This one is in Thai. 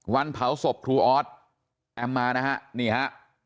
วันเผาศพครูออสแอมมานะ